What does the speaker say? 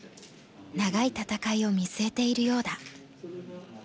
長い戦いを見据えているようだ。